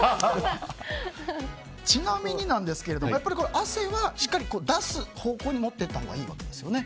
ちなみに汗はしっかり出す方向に持っていったほうがいいわけですよね。